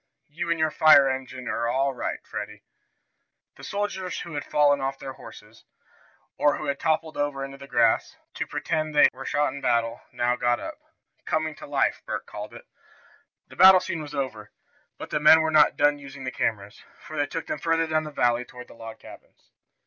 "You and your fire engine are all right, Freddie." The soldiers who had fallen off their horses, or who had toppled over in the grass, to pretend that they were shot in battle, now got up "coming to life," Bert called it. The battle scene was over, but the men were not yet done using the cameras, for they took them farther down the valley toward the log cabins.